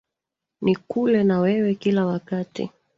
Nikule na wewe kila wakati